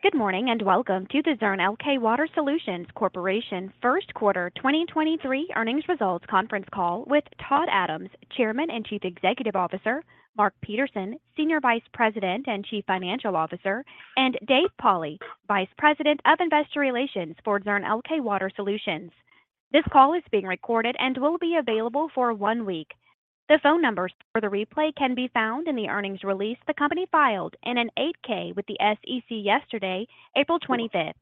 Good morning, and welcome to the Zurn Elkay Water Solutions Corporation first quarter 2023 earnings results conference call with Todd Adams, Chairman and Chief Executive Officer, Mark Peterson, Senior Vice President and Chief Financial Officer, and Dave Pauli, Vice President of Investor Relations for Zurn Elkay Water Solutions. This call is being recorded and will be available for 1 week. The phone numbers for the replay can be found in the earnings release the company filed in an 8-K with the SEC yesterday, April 25th.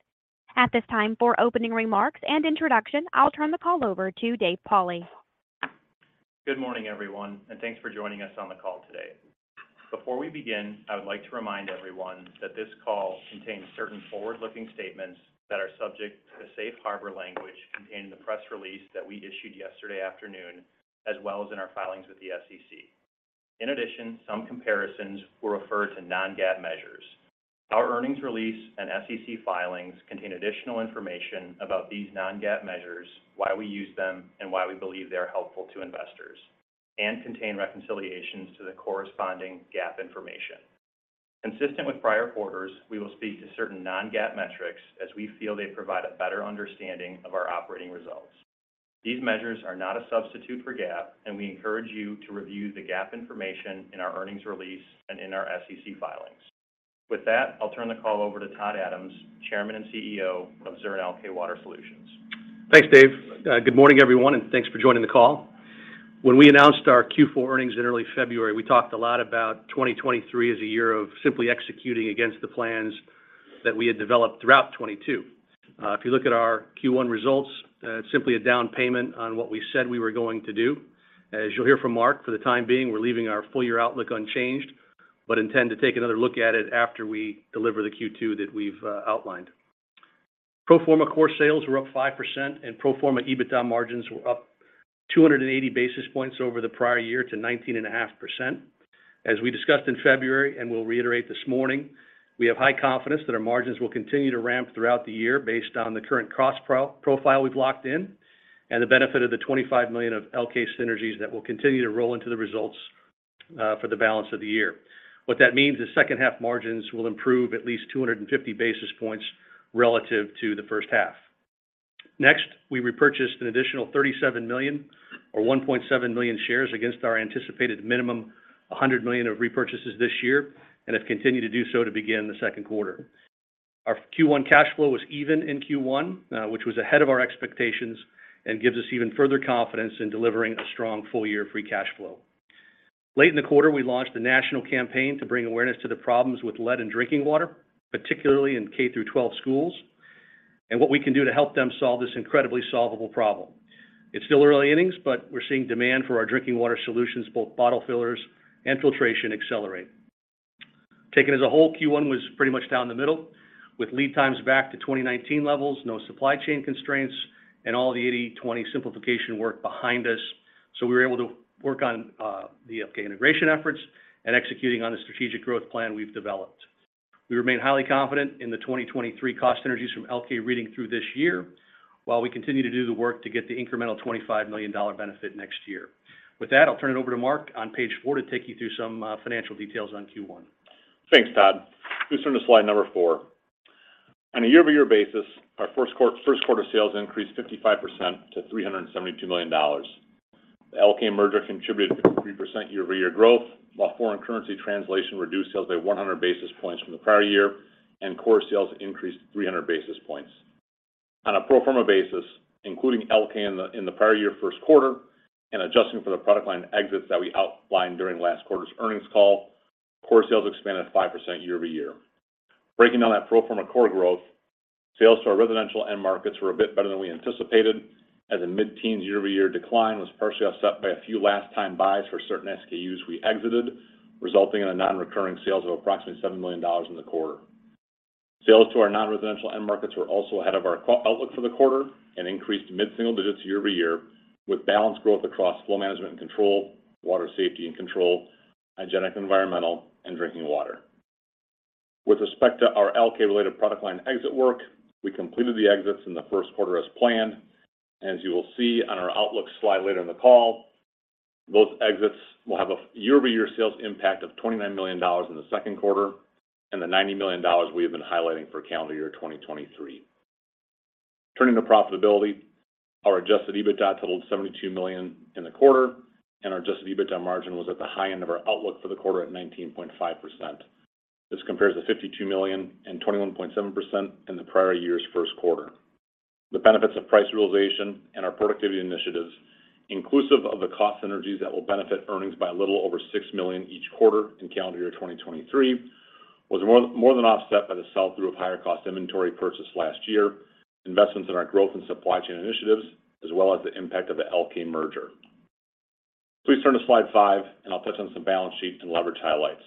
At this time, for opening remarks and introduction, I'll turn the call over to Dave Pauli. Good morning, everyone, and thanks for joining us on the call today. Before we begin, I would like to remind everyone that this call contains certain forward-looking statements that are subject to the safe harbor language contained in the press release that we issued yesterday afternoon as well as in our filings with the SEC. In addition, some comparisons will refer to non-GAAP measures. Our earnings release and SEC filings contain additional information about these non-GAAP measures, why we use them and why we believe they are helpful to investors, and contain reconciliations to the corresponding GAAP information. Consistent with prior quarters, we will speak to certain non-GAAP metrics as we feel they provide a better understanding of our operating results. These measures are not a substitute for GAAP, and we encourage you to review the GAAP information in our earnings release and in our SEC filings. With that, I'll turn the call over to Todd Adams, Chairman and CEO of Zurn Elkay Water Solutions. Thanks, Dave. Good morning, everyone, and thanks for joining the call. When we announced our Q4 earnings in early February, we talked a lot about 2023 as a year of simply executing against the plans that we had developed throughout 2022. If you look at our Q1 results, it's simply a down payment on what we said we were going to do. As you'll hear from Mark, for the time being, we're leaving our full year outlook unchanged, but intend to take another look at it after we deliver the Q2 that we've outlined. Pro forma core sales were up 5% and pro forma EBITDA margins were up 280 basis points over the prior year to 19.5%. As we discussed in February and we'll reiterate this morning, we have high confidence that our margins will continue to ramp throughout the year based on the current cost profile we've locked in and the benefit of the $25 million of Elkay synergies that will continue to roll into the results for the balance of the year. What that means is second half margins will improve at least 250 basis points relative to the first half. We repurchased an additional $37 million or 1.7 million shares against our anticipated minimum $100 million of repurchases this year and have continued to do so to begin the second quarter. Our Q1 cash flow was even in Q1, which was ahead of our expectations and gives us even further confidence in delivering a strong full year free cash flow. Late in the quarter, we launched a national campaign to bring awareness to the problems with lead in drinking water, particularly in K-12 schools, and what we can do to help them solve this incredibly solvable problem. It's still early innings, but we're seeing demand for our drinking water solutions, both bottle fillers and filtration accelerate. Taken as a whole, Q1 was pretty much down the middle with lead times back to 2019 levels, no supply chain constraints, and all the 80/20 simplification work behind us. We were able to work on the Elkay integration efforts and executing on the strategic growth plan we've developed. We remain highly confident in the 2023 cost synergies from Elkay reading through this year while we continue to do the work to get the incremental $25 million benefit next year. With that, I'll turn it over to Mark on page 4 to take you through some financial details on Q1. Thanks, Todd. Please turn to slide number 4. On a year-over-year basis, our first quarter sales increased 55% to $372 million. The Elkay merger contributed to 3% year-over-year growth, while foreign currency translation reduced sales by 100 basis points from the prior year. Core sales increased 300 basis points. On a pro forma basis, including Elkay in the prior year first quarter and adjusting for the product line exits that we outlined during last quarter's earnings call, core sales expanded 5% year over year. Breaking down that pro forma core growth, sales to our residential end markets were a bit better than we anticipated as a mid-teens year-over-year decline was partially offset by a few last time buys for certain SKUs we exited, resulting in a non-recurring sales of approximately $7 million in the quarter. Sales to our non-residential end markets were also ahead of our Q outlook for the quarter and increased mid-single digits year-over-year with balanced growth across flow management and control, Water Safety & Control, Hygienic & Environmental and Drinking Water. With respect to our Elkay related product line exit work, we completed the exits in the first quarter as planned. As you will see on our outlook slide later in the call, those exits will have a year-over-year sales impact of $29 million in the second quarter and the $90 million we have been highlighting for calendar year 2023. Turning to profitability, our adjusted EBITDA totaled $72 million in the quarter, and our adjusted EBITDA margin was at the high end of our outlook for the quarter at 19.5%. This compares to $52 million and 21.7% in the prior year's first quarter. The benefits of price realization and our productivity initiatives, inclusive of the cost synergies that will benefit earnings by a little over $6 million each quarter in calendar year 2023, was more than offset by the sell-through of higher cost inventory purchased last year, investments in our growth and supply chain initiatives, as well as the impact of the Elkay merger. Please turn to Slide 5, and I'll touch on some balance sheet and leverage highlights.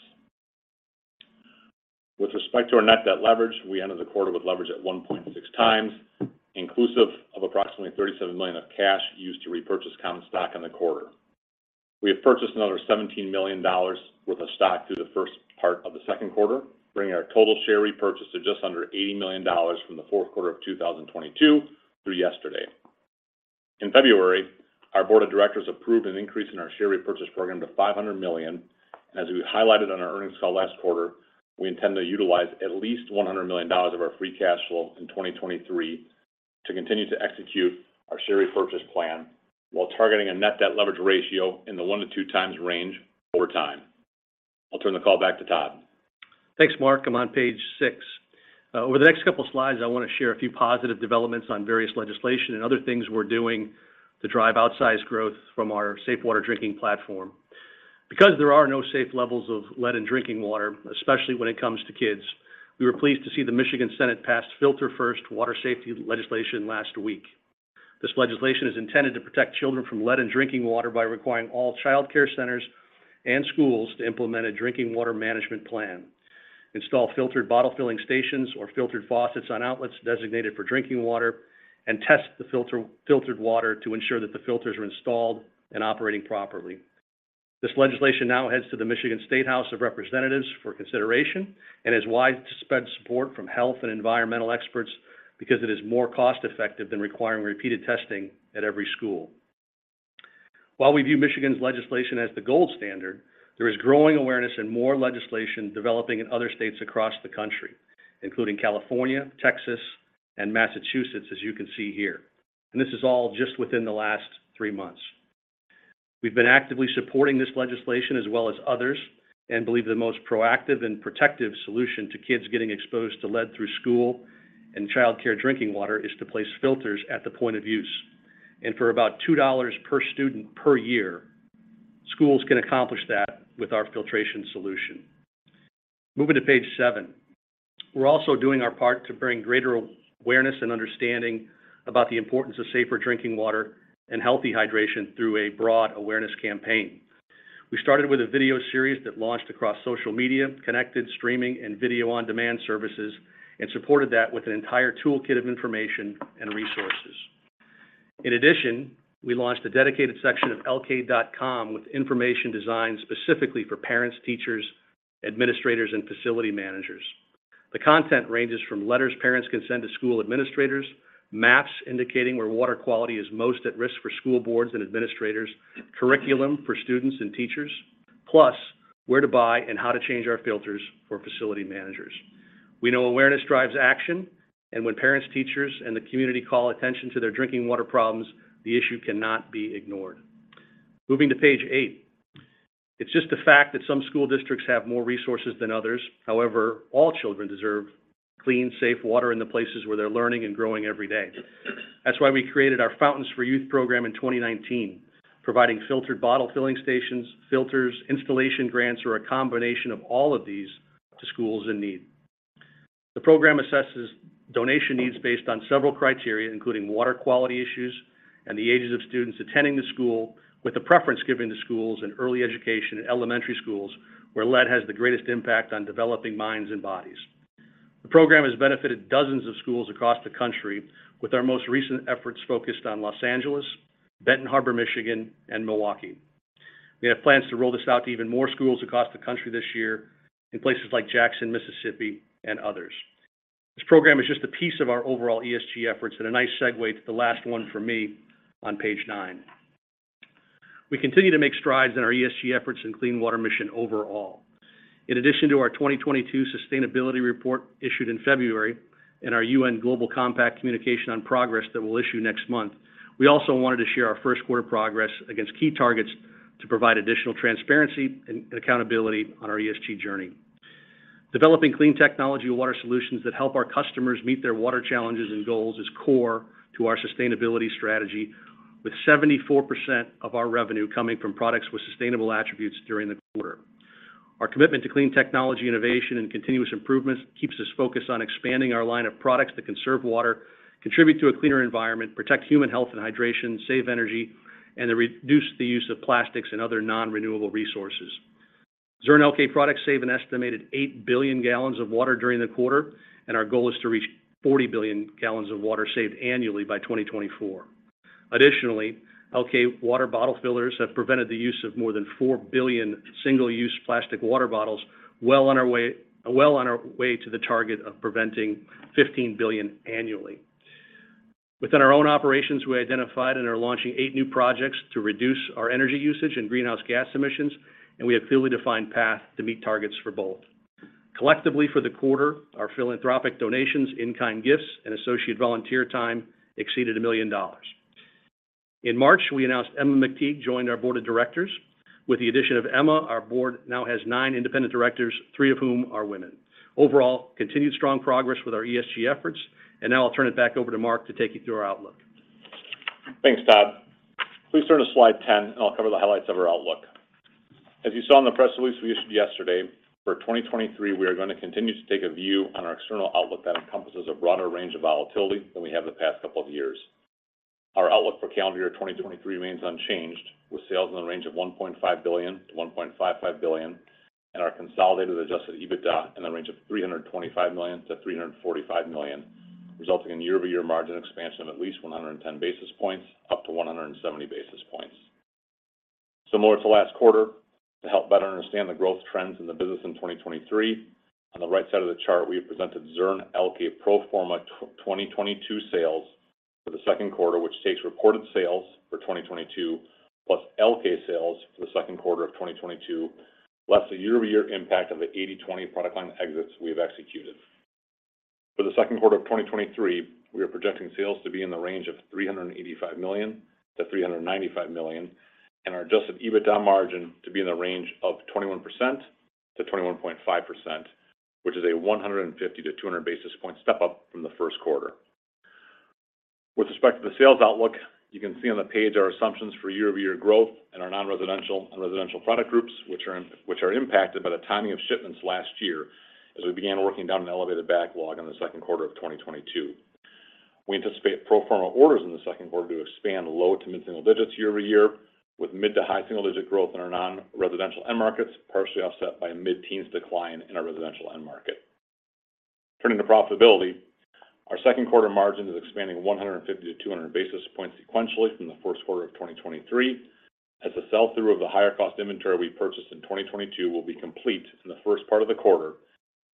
With respect to our net debt leverage, we ended the quarter with leverage at 1.6x, inclusive of approximately $37 million of cash used to repurchase common stock in the quarter. We have purchased another $17 million worth of stock through the first part of the second quarter, bringing our total share repurchase to just under $80 million from the fourth quarter of 2022 through yesterday. In February, our board of directors approved an increase in our share repurchase program to $500 million. As we highlighted on our earnings call last quarter, we intend to utilize at least $100 million of our free cash flow in 2023 to continue to execute our share repurchase plan while targeting a net debt leverage ratio in the one to two times range over time. I'll turn the call back to Todd. Thanks, Mark. I'm on page 6. Over the next couple slides, I want to share a few positive developments on various legislation and other things we're doing to drive outsized growth from our safe water drinking platform. There are no safe levels of lead in drinking water, especially when it comes to kids, we were pleased to see the Michigan Senate pass Filter First water safety legislation last week. This legislation is intended to protect children from lead in drinking water by requiring all childcare centers and schools to implement a drinking water management plan, install filtered bottle filling stations or filtered faucets on outlets designated for drinking water, and test the filtered water to ensure that the filters are installed and operating properly. This legislation now heads to the Michigan State House of Representatives for consideration and has widespread support from health and environmental experts because it is more cost-effective than requiring repeated testing at every school. While we view Michigan's legislation as the gold standard, there is growing awareness and more legislation developing in other states across the country, including California, Texas, and Massachusetts, as you can see here. This is all just within the last three months. We've been actively supporting this legislation as well as others, and believe the most proactive and protective solution to kids getting exposed to lead through school and childcare drinking water is to place filters at the point of use. For about $2 per student per year, schools can accomplish that with our filtration solution. Moving to page seven. We're also doing our part to bring greater awareness and understanding about the importance of safer drinking water and healthy hydration through a broad awareness campaign. We started with a video series that launched across social media, connected streaming, and video on-demand services, and supported that with an entire toolkit of information and resources. In addition, we launched a dedicated section of elkay.com with information designed specifically for parents, teachers, administrators, and facility managers. The content ranges from letters parents can send to school administrators, maps indicating where water quality is most at risk for school boards and administrators, curriculum for students and teachers, plus where to buy and how to change our filters for facility managers. We know awareness drives action, and when parents, teachers, and the community call attention to their drinking water problems, the issue cannot be ignored. Moving to page eight. It's just a fact that some school districts have more resources than others. However, all children deserve clean, safe water in the places where they're learning and growing every day. That's why we created our Fountains for Youth program in 2019, providing filtered bottle filling stations, filters, installation grants, or a combination of all of these to schools in need. The program assesses donation needs based on several criteria, including water quality issues and the ages of students attending the school, with a preference given to schools in early education and elementary schools where lead has the greatest impact on developing minds and bodies. The program has benefited dozens of schools across the country, with our most recent efforts focused on Los Angeles, Benton Harbor, Michigan, and Milwaukee. We have plans to roll this out to even more schools across the country this year in places like Jackson, Mississippi, and others. This program is just a piece of our overall ESG efforts and a nice segue to the last one for me on page 9. We continue to make strides in our ESG efforts and clean water mission overall. In addition to our 2022 sustainability report issued in February and our UN Global Compact communication on progress that we'll issue next month, we also wanted to share our first quarter progress against key targets to provide additional transparency and accountability on our ESG journey. Developing clean technology water solutions that help our customers meet their water challenges and goals is core to our sustainability strategy, with 74% of our revenue coming from products with sustainable attributes during the quarter. Our commitment to clean technology innovation and continuous improvements keeps us focused on expanding our line of products that conserve water, contribute to a cleaner environment, protect human health and hydration, save energy, and reduce the use of plastics and other non-renewable resources. Zurn Elkay products saved an estimated 8 billion gallons of water during the quarter, and our goal is to reach 40 billion gallons of water saved annually by 2024. Additionally, Elkay water bottle fillers have prevented the use of more than 4 billion single-use plastic water bottles well on our way to the target of preventing 15 billion annually. Within our own operations, we identified and are launching eight new projects to reduce our energy usage and greenhouse gas emissions, and we have clearly defined path to meet targets for both. Collectively for the quarter, our philanthropic donations, in-kind gifts, and associate volunteer time exceeded $1 million. In March, we announced Emma McTague joined our board of directors. With the addition of Emma, our board now has nine independent directors, three of whom are women. Overall, continued strong progress with our ESG efforts. Now I'll turn it back over to Mark to take you through our outlook. Thanks, Todd. Please turn to Slide 10, I'll cover the highlights of our outlook. As you saw in the press release we issued yesterday, for 2023, we are going to continue to take a view on our external outlook that encompasses a broader range of volatility than we have the past couple of years. Our outlook for calendar year 2023 remains unchanged, with sales in the range of $1.5 billion to $1.55 billion and our consolidated adjusted EBITDA in the range of $325 million to $345 million, resulting in year-over-year margin expansion of at least 110 basis points up to 170 basis points. Similar to last quarter, to help better understand the growth trends in the business in 2023, on the right side of the chart, we have presented Zurn Elkay pro forma 2022 sales for the second quarter, which takes reported sales for 2022, plus Elkay sales for the second quarter of 2022, less the year-over-year impact of the 80/20 product line exits we have executed. For the second quarter of 2023, we are projecting sales to be in the range of $385 million to $395 million, and our adjusted EBITDA margin to be in the range of 21% to 21.5%, which is a 150-200 basis point step up from the first quarter. With respect to the sales outlook, you can see on the page our assumptions for year-over-year growth in our non-residential and residential product groups, which are impacted by the timing of shipments last year as we began working down an elevated backlog in the second quarter of 2022. We anticipate pro forma orders in the second quarter to expand low to mid-single digits year-over-year, with mid to high single-digit growth in our non-residential end markets, partially offset by a mid-teens decline in our residential end market. Turning to profitability, our second quarter margin is expanding 150 to 200 basis points sequentially from the first quarter of 2023 as the sell-through of the higher cost inventory we purchased in 2022 will be complete in the first part of the quarter,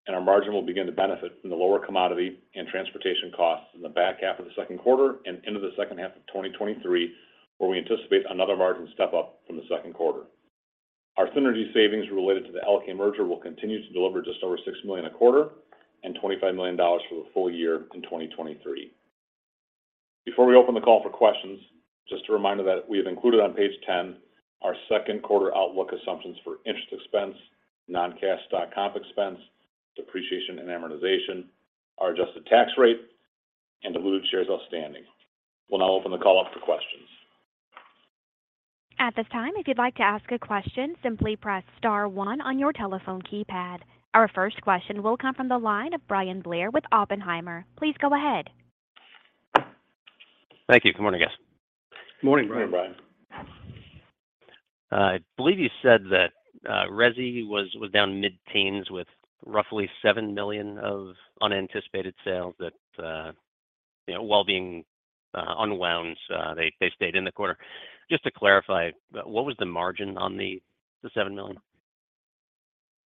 and our margin will begin to benefit from the lower commodity and transportation costs in the back half of the second quarter and into the second half of 2023, where we anticipate another margin step up from the second quarter. Our synergy savings related to the Elkay merger will continue to deliver just over $6 million a quarter and $25 million for the full year in 2023. Before we open the call for questions, just a reminder that we have included on page 10 our second quarter outlook assumptions for interest expense, non-cash stock comp expense, depreciation and amortization, our adjusted tax rate, and diluted shares outstanding. We'll now open the call up for questions. At this time, if you'd like to ask a question, simply press star one on your telephone keypad. Our first question will come from the line of Bryan Blair with Oppenheimer. Please go ahead. Thank you. Good morning, guys. Good morning, Bryan. Good morning, Bryan. I believe you said that resi was down mid-teens with roughly $7 million of unanticipated sales that, you know, while being unwound, they stayed in the quarter. Just to clarify, what was the margin on the $7 million?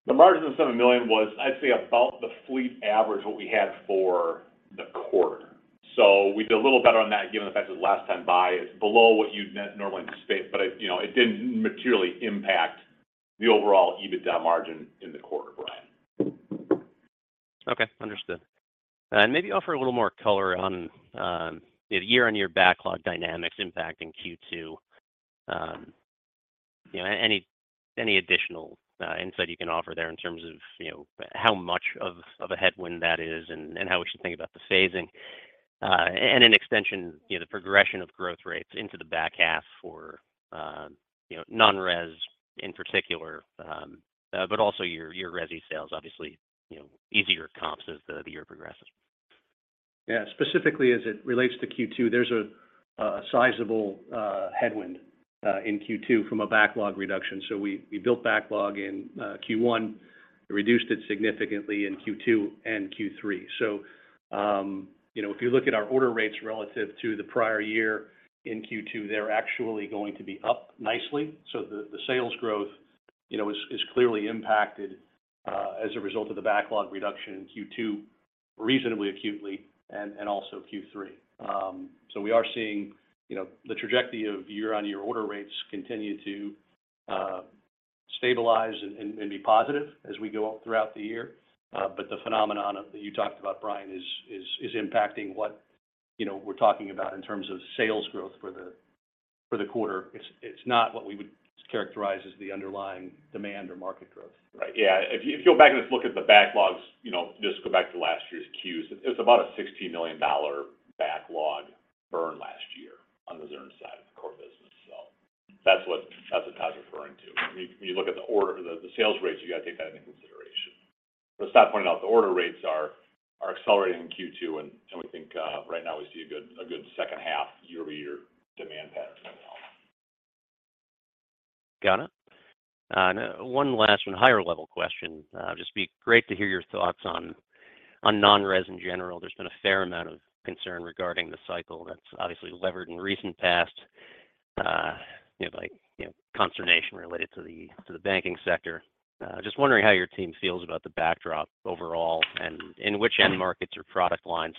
The margin on the $7 million was, I'd say about the fleet average what we had for the quarter. We did a little better on that given the fact that the last time buy is below what you'd normally anticipate. You know, it didn't materially impact the overall EBITDA margin in the quarter, Bryan. Okay. Understood. Maybe offer a little more color on year-over-year backlog dynamics impacting Q2. You know, any additional insight you can offer there in terms of, you know, how much of a headwind that is and how we should think about the phasing, and in extension, you know, the progression of growth rates into the back half for, you know, non-res in particular. Also your resi sales, obviously, you know, easier comps as the year progresses. Yeah. Specifically as it relates to Q2, there's a sizable headwind in Q2 from a backlog reduction. We built backlog in Q1, reduced it significantly in Q2 and Q3. You know, if you look at our order rates relative to the prior year in Q2, they're actually going to be up nicely. The sales growth, you know, is clearly impacted as a result of the backlog reduction in Q2 reasonably acutely and also Q3. We are seeing, you know, the trajectory of year-on-year order rates continue to stabilize and be positive as we go throughout the year. The phenomenon that you talked about, Bryan, is impacting what, you know, we're talking about in terms of sales growth for the quarter. It's not what we would characterize as the underlying demand or market growth. Right. Yeah. If you, if you go back and just look at the backlogs, you know, just go back to last year's Qs, it was about a $60 million backlog burn last year on the Zurn side of the core business. That's what Todd's referring to. When you, when you look at the sales rates, you got to take that into consideration. As Todd pointed out, the order rates are accelerating in Q2, and we think right now we see a good second half year-over-year demand pattern coming out. Got it. One last one higher level question. Just be great to hear your thoughts on non-res in general. There's been a fair amount of concern regarding the cycle that's obviously levered in recent past, you know, like, you know, consternation related to the, to the banking sector. Just wondering how your team feels about the backdrop overall and in which end markets or product lines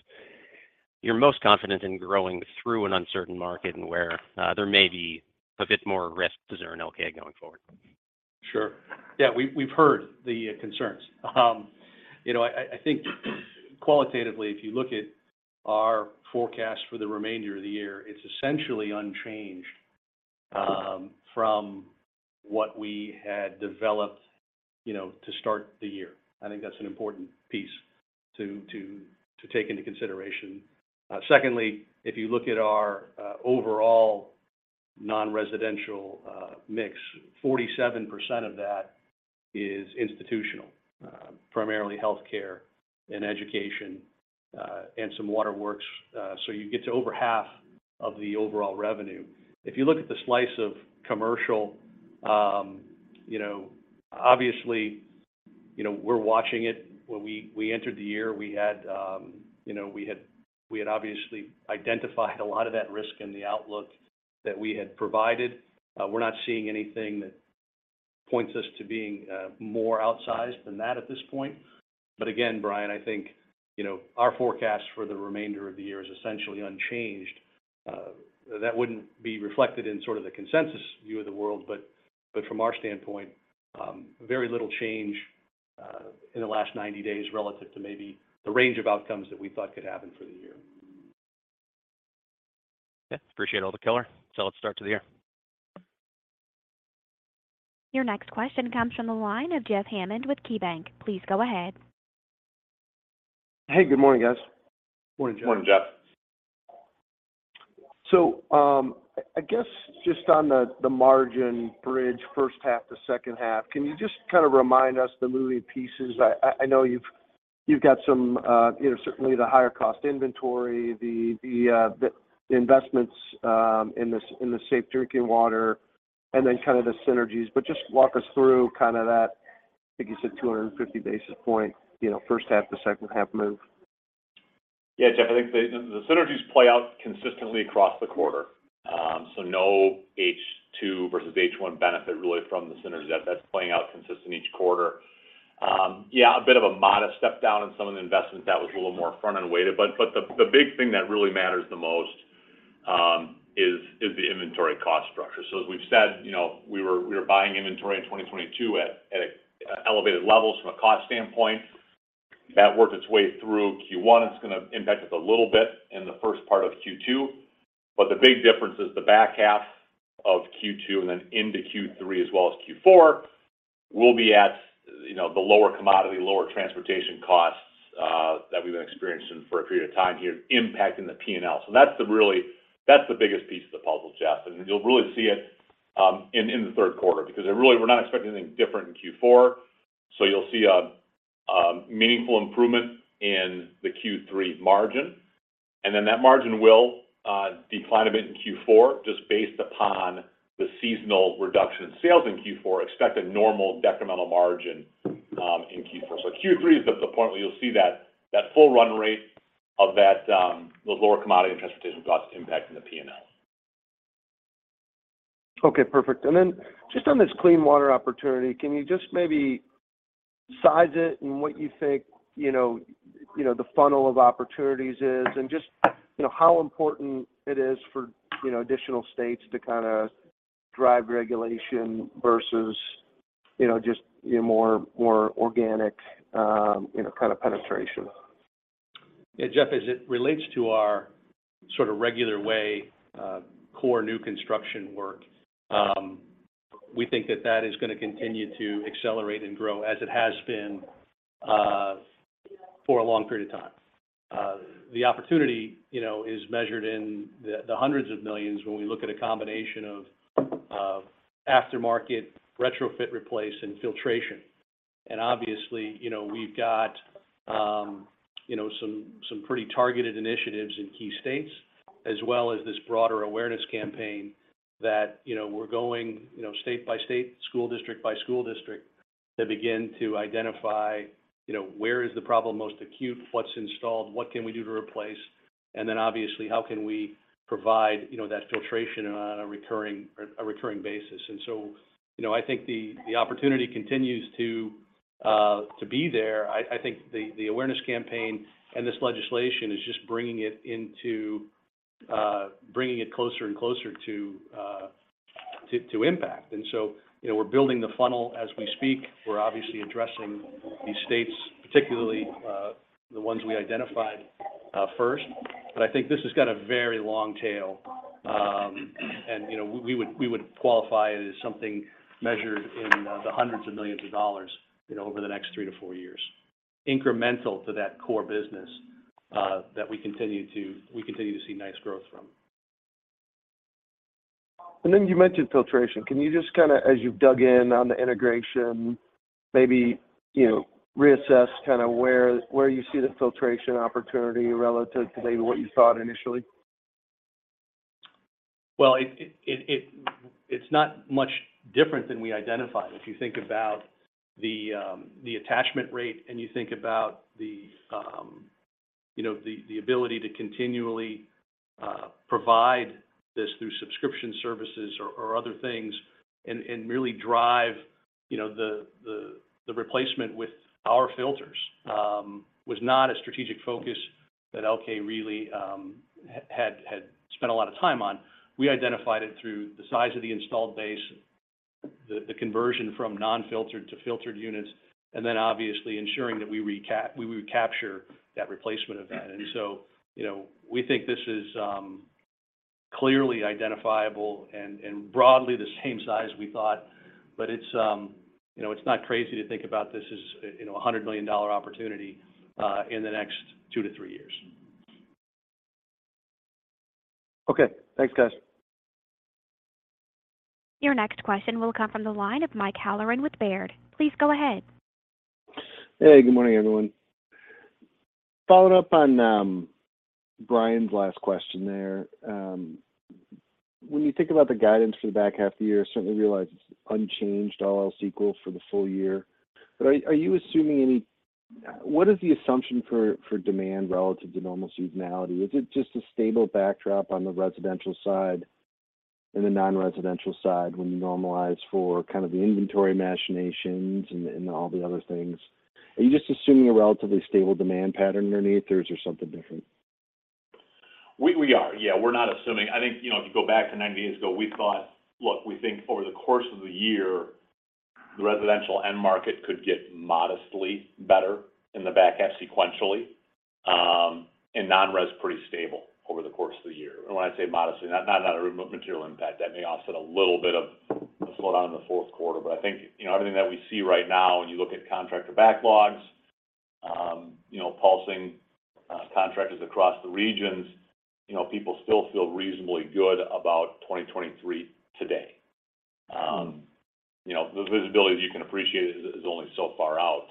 you're most confident in growing through an uncertain market and where there may be a bit more risk to Zurn Elkay going forward. Sure. Yeah. We, we've heard the concerns. You know, I think qualitatively, if you look at our forecast for the remainder of the year, it's essentially unchanged, from what we had developed, you know, to start the year. I think that's an important piece to take into consideration. Secondly, if you look at our overall non-residential mix, 47% of that is institutional, primarily healthcare and education, and some water works. So you get to over half of the overall revenue. If you look at the slice of commercial, you know, obviously You know, we're watching it. When we entered the year, we had, you know, we had obviously identified a lot of that risk in the outlook that we had provided. We're not seeing anything that points us to being more outsized than that at this point. Again, Bryan, I think, you know, our forecast for the remainder of the year is essentially unchanged. That wouldn't be reflected in sort of the consensus view of the world, but from our standpoint, very little change in the last 90 days relative to maybe the range of outcomes that we thought could happen for the year. Yeah. Appreciate all the color. Solid start to the year. Your next question comes from the line of Jeff Hammond with KeyBanc. Please go ahead. Hey, good morning, guys. Morning, Jeff. Morning, Jeff. I guess just on the margin bridge first half to second half, can you just kind of remind us the moving pieces? I know you've got some, you know, certainly the higher cost inventory, the, the investments, in the safe drinking water, and then kind of the synergies. Just walk us through kind of that, I think you said 250 basis point, you know, first half to second half move. Yeah, Jeff, I think the synergies play out consistently across the quarter. No H2 versus H1 benefit really from the synergy. That's playing out consistent each quarter. Yeah, a bit of a modest step down in some of the investments that was a little more front-end weighted. The big thing that really matters the most, is the inventory cost structure. As we've said, you know, we were buying inventory in 2022 at elevated levels from a cost standpoint. That worked its way through Q1. It's gonna impact us a little bit in the first part of Q2. The big difference is the back half of Q2 and then into Q3 as well as Q4 will be at, you know, the lower commodity, lower transportation costs that we've been experiencing for a period of time here impacting the P&L. That's the biggest piece of the puzzle, Jeff. You'll really see it in the third quarter because it really, we're not expecting anything different in Q4. You'll see a meaningful improvement in the Q3 margin, and then that margin will decline a bit in Q4 just based upon the seasonal reduction in sales in Q4. Expect a normal decremental margin in Q4. Q3 is the point where you'll see that full run rate of those lower commodity and transportation costs impacting the P&L. Okay. Perfect. Then just on this clean water opportunity, can you just maybe size it and what you think, you know, the funnel of opportunities is? Just, you know, how important it is for, you know, additional states to kinda drive regulation versus, you know, just, you know, more organic, you know, kind of penetration? Yeah, Jeff, as it relates to our sort of regular way, core new construction work, we think that that is gonna continue to accelerate and grow as it has been for a long period of time. The opportunity, you know, is measured in the $ hundreds of millions when we look at a combination of aftermarket retrofit replace and filtration. Obviously, you know, we've got, you know, some pretty targeted initiatives in key states, as well as this broader awareness campaign that, you know, we're going, you know, state by state, school district by school district to begin to identify, you know, where is the problem most acute, what's installed, what can we do to replace, and then obviously how can we provide, you know, that filtration on a recurring basis. You know, I think the opportunity continues to be there. I think the awareness campaign and this legislation is just bringing it into bringing it closer and closer to impact. You know, we're building the funnel as we speak. We're obviously addressing these states, particularly the ones we identified first. I think this has got a very long tail. And, you know, we would qualify it as something measured in the $hundreds of millions, you know, over the next three to four years, incremental to that core business that we continue to see nice growth from. You mentioned filtration. Can you just kinda, as you've dug in on the integration, maybe, you know, reassess kinda where you see the filtration opportunity relative to maybe what you thought initially? Well, it's not much different than we identified. If you think about the attachment rate and you think about the, you know, the ability to continually provide this through subscription services or other things and really drive, you know, the replacement with our filters, was not a strategic focus that Elkay really had spent a lot of time on. We identified it through the size of the installed base, the conversion from non-filtered to filtered units, and then obviously ensuring that we would capture that replacement event. You know, we think this is clearly identifiable and broadly the same size we thought. It's, you know, it's not crazy to think about this as, you know, a $100 million dollar opportunity in the next 2 to 3 years. Okay. Thanks, guys. Your next question will come from the line of Mike Halloran with Baird. Please go ahead. Hey, good morning, everyone. Following up on Bryan's last question there. When you think about the guidance for the back half of the year, certainly realize it's unchanged all else equal for the full year. What is the assumption for demand relative to normal seasonality? Is it just a stable backdrop on the residential side and the non-residential side when you normalize for kind of the inventory machinations and all the other things? Are you just assuming a relatively stable demand pattern underneath, or is there something different? We are. Yeah, we're not assuming. I think, you know, if you go back to 90 days ago, we thought. Look, we think over the course of the year, the residential end market could get modestly better in the back half sequentially, and non-res pretty stable over the course of the year. When I say modestly, not a material impact. That may offset a little bit of a slowdown in the fourth quarter. I think, you know, everything that we see right now, when you look at contractor backlogs, you know, pulsing contractors across the regions, you know, people still feel reasonably good about 2023 today. You know, the visibility that you can appreciate is only so far out.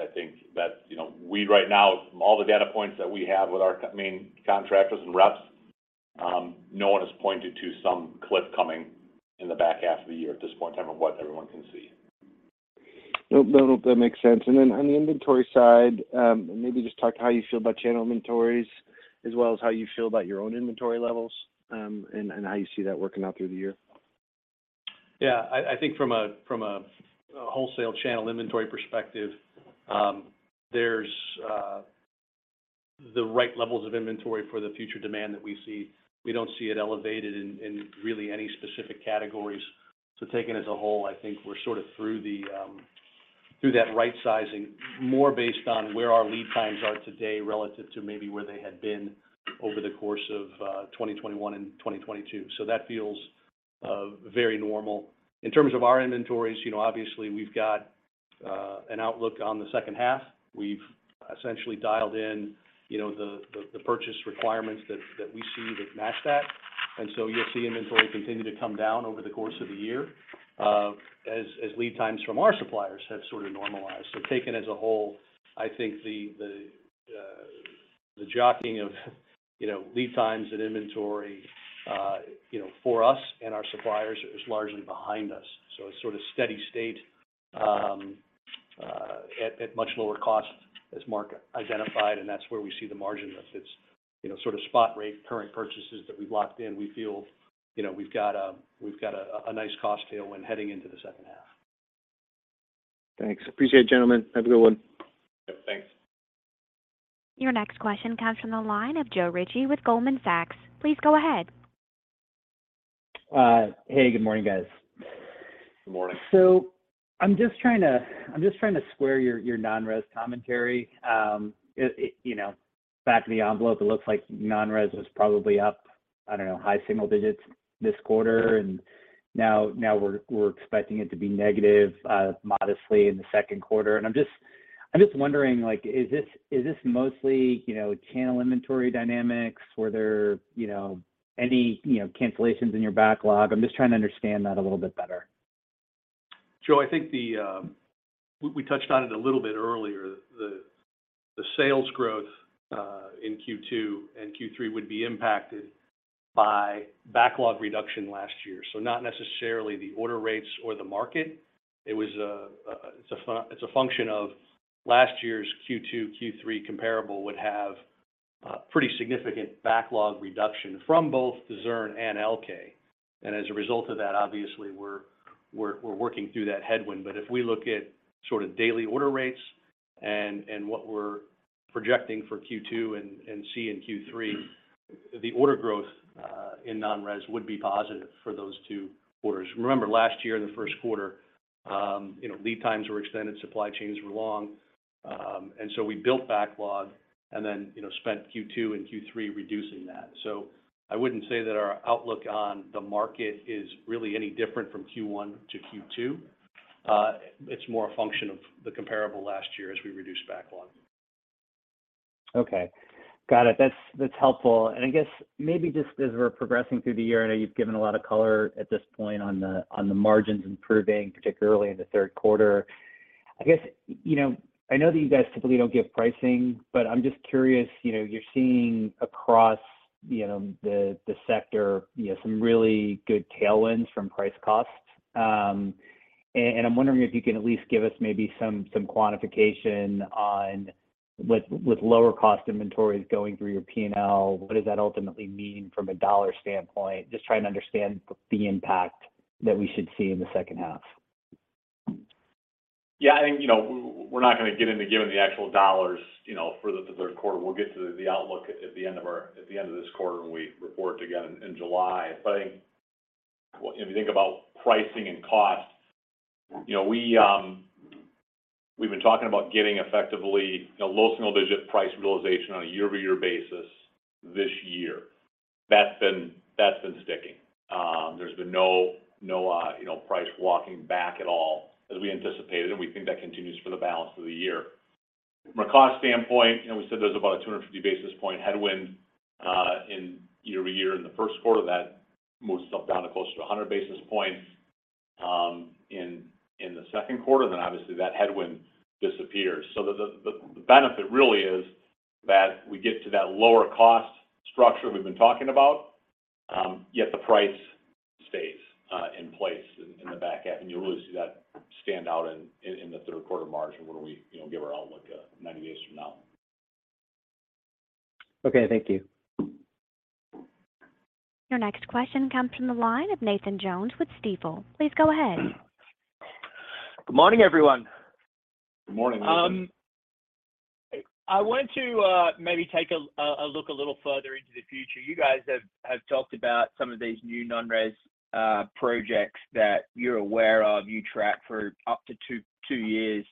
I think that, you know, we right now, from all the data points that we have with our main contractors and reps, no one has pointed to some cliff coming in the back half of the year at this point in time of what everyone can see. No, no, that makes sense. On the inventory side, maybe just talk how you feel about channel inventories as well as how you feel about your own inventory levels, and how you see that working out through the year. Yeah. I think from a wholesale channel inventory perspective, there's the right levels of inventory for the future demand that we see. We don't see it elevated in really any specific categories. Taken as a whole, I think we're sort of through that right sizing more based on where our lead times are today relative to maybe where they had been over the course of 2021 and 2022. That feels very normal. In terms of our inventories, you know, obviously, we've got an outlook on the second half. We've essentially dialed in, you know, the purchase requirements that we see that match that. You'll see inventory continue to come down over the course of the year, as lead times from our suppliers have sort of normalized. Taken as a whole, I think the jockeying of, you know, lead times and inventory, you know, for us and our suppliers is largely behind us. A sort of steady state, at much lower costs as Mark identified, and that's where we see the margin lifts. It's, you know, sort of spot rate current purchases that we've locked in. We feel, you know, we've got a nice cost tailwind heading into the second half. Thanks. Appreciate it, gentlemen. Have a good one. Yep. Thanks. Your next question comes from the line of Joe Ritchie with Goldman Sachs. Please go ahead. Hey, good morning, guys. Good morning. I'm just trying to square your non-res commentary. It, you know, back of the envelope, it looks like non-res was probably up, I don't know, high single digits this quarter, and now we're expecting it to be negative, modestly in the second quarter. I'm just wondering, like, is this mostly, you know, channel inventory dynamics? Were there, you know, any, you know, cancellations in your backlog? I'm just trying to understand that a little bit better. Joe, we touched on it a little bit earlier. The sales growth in Q2 and Q3 would be impacted by backlog reduction last year. Not necessarily the order rates or the market. It's a function of last year's Q2, Q3 comparable would have a pretty significant backlog reduction from both Zurn and Elkay. As a result of that, obviously, we're working through that headwind. If we look at sort of daily order rates and what we're projecting for Q2 and C and Q3, the order growth in non-res would be positive for those two quarters. Remember last year in the first quarter, you know, lead times were extended, supply chains were long. We built backlog and then, you know, spent Q2 and Q3 reducing that. I wouldn't say that our outlook on the market is really any different from Q1 to Q2. It's more a function of the comparable last year as we reduce backlog. Okay. Got it. That's helpful. I guess maybe just as we're progressing through the year, I know you've given a lot of color at this point on the margins improving, particularly in the third quarter. I guess, you know, I know that you guys typically don't give pricing, but I'm just curious, you know, you're seeing across, you know, the sector, you know, some really good tailwinds from price cost. I'm wondering if you can at least give us maybe some quantification on with lower cost inventories going through your P&L, what does that ultimately mean from a dollar standpoint? Just trying to understand the impact that we should see in the second half. Yeah. I think, you know, we're not gonna get into giving the actual dollars, you know, for the third quarter. We'll get to the outlook at the end of this quarter when we report again in July. I think if you think about pricing and cost, you know, we've been talking about getting effectively a low single-digit price realization on a year-over-year basis this year. That's been sticking. There's been no, you know, price walking back at all as we anticipated, and we think that continues for the balance of the year. From a cost standpoint, you know, we said there's about a 250 basis point headwind in year-over-year in the first quarter. That moved stuff down to closer to 100 basis points in the second quarter. Then obviously that headwind disappears. The benefit really is that we get to that lower cost structure we've been talking about, yet the price stays in place in the back half. You'll really see that stand out in the third quarter margin when we, you know, give our outlook 90 days from now. Okay. Thank you. Your next question comes from the line of Nathan Jones with Stifel. Please go ahead. Good morning, everyone. Good morning, Nathan. I wanted to maybe take a look a little further into the future. You guys have talked about some of these new non-res projects that you're aware of. You track for up to 2 years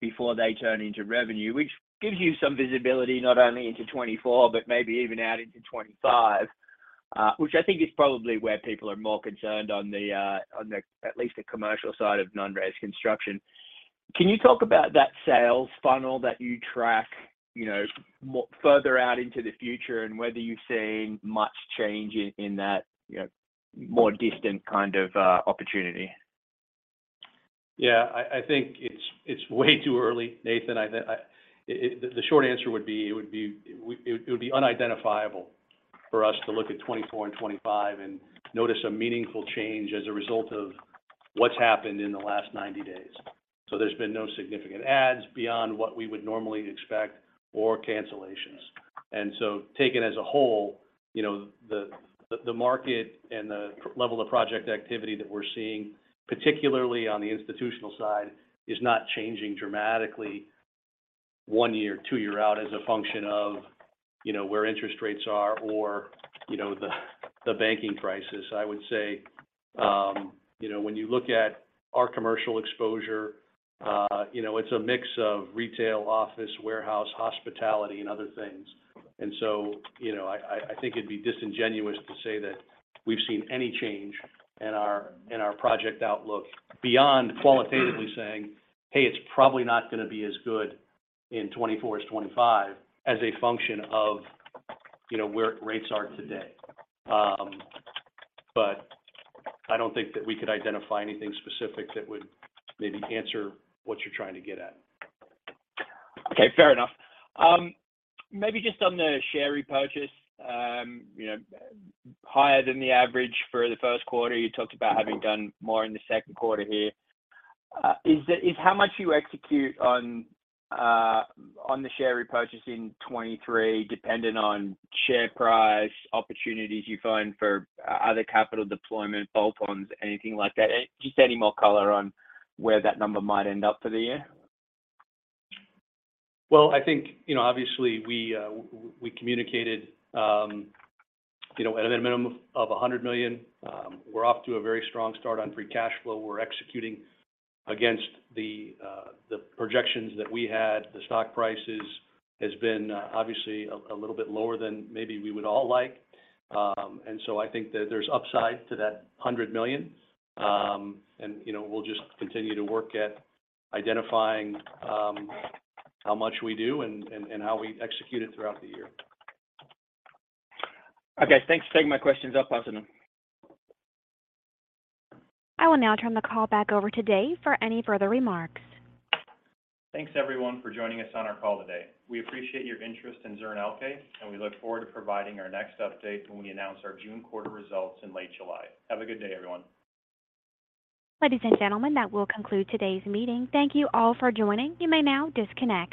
before they turn into revenue, which gives you some visibility not only into 24, but maybe even out into 25, which I think is probably where people are more concerned on the at least the commercial side of non-res construction. Can you talk about that sales funnel that you track, you know, further out into the future and whether you've seen much change in that, you know, more distant kind of opportunity? Yeah. I think it's way too early, Nathan. The, the short answer would be, it would be unidentifiable for us to look at 2024 and 2025 and notice a meaningful change as a result of what's happened in the last 90 days. There's been no significant adds beyond what we would normally expect or cancellations. Taken as a whole, you know, the, the market and the level of project activity that we're seeing, particularly on the institutional side, is not changing dramatically 1 year or 2 year out as a function of, you know, where interest rates are or, you know, the banking crisis. I would say, you know, when you look at our commercial exposure, you know, it's a mix of retail, office, warehouse, hospitality and other things. you know, I think it'd be disingenuous to say that we've seen any change in our, in our project outlook beyond qualitatively saying, "Hey, it's probably not gonna be as good in 2024 as 2025 as a function of, you know, where rates are today." But I don't think that we could identify anything specific that would maybe answer what you're trying to get at. Okay. Fair enough. Maybe just on the share repurchase, you know, higher than the average for the first quarter. You talked about having done more in the second quarter here. Is how much you execute on on the share repurchase in 2023 dependent on share price opportunities you find for other capital deployment, bolt-ons, anything like that? Just any more color on where that number might end up for the year? Well, I think, you know, obviously we communicated, you know, at a minimum of $100 million. We're off to a very strong start on free cash flow. We're executing against the projections that we had. The stock prices has been, obviously a little bit lower than maybe we would all like. I think that there's upside to that $100 million. You know, we'll just continue to work at identifying how much we do and how we execute it throughout the year. Okay. Thanks for taking my questions. I'll pass it on. I will now turn the call back over to Dave for any further remarks. Thanks, everyone, for joining us on our call today. We appreciate your interest in Zurn Elkay, and we look forward to providing our next update when we announce our June quarter results in late July. Have a good day, everyone. Ladies and gentlemen, that will conclude today's meeting. Thank you all for joining. You may now disconnect.